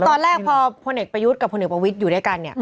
ก็ตอนแรกพอพลเชศประยุทธ์กับพลเหนือประวิทรอยู่ด้วยกันเนี่ย